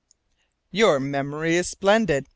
"Your memory is splendid!"